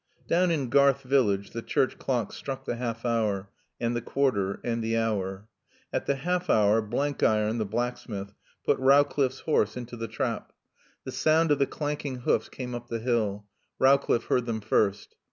Down in Garth village the church clock struck the half hour and the quarter and the hour. At the half hour Blenkiron, the blacksmith, put Rowcliffe's horse into the trap. The sound of the clanking hoofs came up the hill. Rowcliffe heard them first.